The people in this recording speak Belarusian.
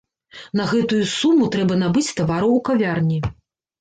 На гэтую суму трэба набыць тавараў у кавярні.